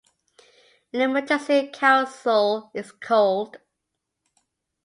An emergency council is called.